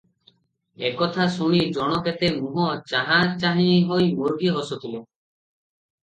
ଏକଥା ଶୁଣି ଜଣ କେତେ ମୁହଁ ଚାହାଁ ଚାହିଁ ହୋଇ ମୁରୁକି ହସୁଥିଲେ ।